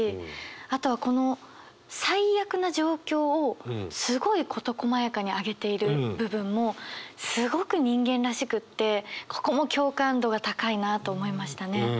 あとこの最悪な状況をすごい事こまやかに挙げている部分もすごく人間らしくってここも共感度が高いなと思いましたね。